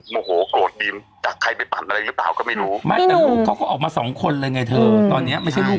ไม่ได้คุยเลยไม่ได้คุยกับการเลยไม่อยากคุยด้วย